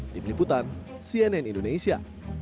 di peliputan cnn indonesia